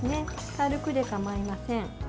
軽くでかまいません。